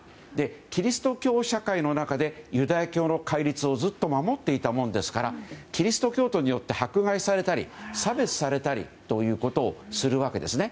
キリスト教社会の中でユダヤ教の戒律をずっと守っていたものですからキリスト教徒によって迫害されたり差別されたりということをするわけですね。